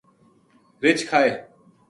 رِچھ کھائے